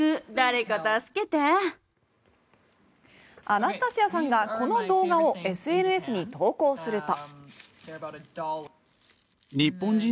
アナスタシアさんがこの動画をＳＮＳに投稿すると。